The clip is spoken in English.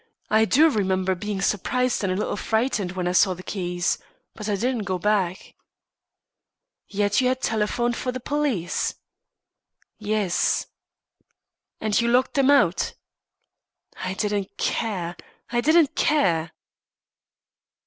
I do remember being surprised and a little frightened when I saw the keys. But I didn't go back." "Yet you had telephoned for the police?" "Yes." "And then locked them out?" "I didn't care I didn't care."